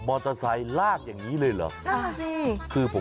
เพลงที่กำลังดังเหรอนะ